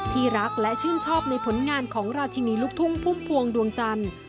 ที่รักและชื่นชอบในผลงานของราชินีลูกทุ่งพุ่มพวงดวงจันทร์